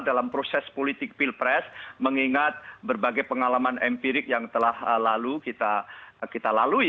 dalam proses politik pilpres mengingat berbagai pengalaman empirik yang telah lalu kita lalui